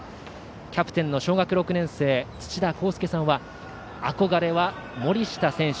キャプテンの小学６年生つちだこうすけさんは憧れは森下選手。